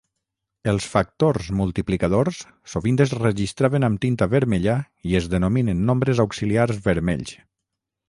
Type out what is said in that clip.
Els factors multiplicadors sovint es registraven amb tinta vermella i es denominen nombres auxiliars vermells.